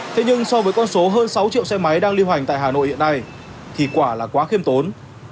thế nhưng so với con số hơn sáu triệu xe máy đang lưu hành tại hà nội hiện nay thì quả là quá khiêm tốn